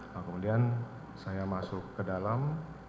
nah kemudian saya masuk ke dalam